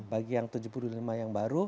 bagi yang tujuh puluh lima yang baru